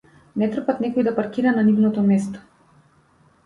Не трпат некој да паркира на нивното место.